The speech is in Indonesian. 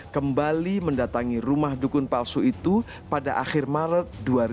kembali mendatangi rumah dukun palsu itu pada akhir maret dua ribu dua puluh